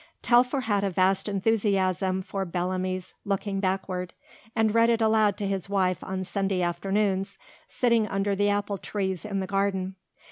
Telfer had a vast enthusiasm for Bellamy's "Looking Backward," and read it aloud to his wife on Sunday afternoons, sitting under the apple trees in the garden.